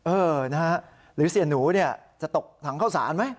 เออนะฮะหรือเสียหนูเนี่ยจะตกถังเข้าสารไหม